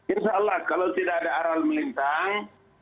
insya allah kalau tidak ada aral melintang